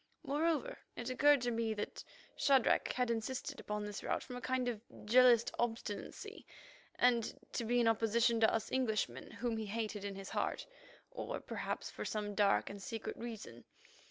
Moreover, it occurred to me that Shadrach had insisted upon this route from a kind of jealous obstinacy, and to be in opposition to us Englishmen, whom he hated in his heart, or perhaps for some dark and secret reason.